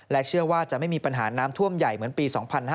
เชื่อว่าจะไม่มีปัญหาน้ำท่วมใหญ่เหมือนปี๒๕๕๙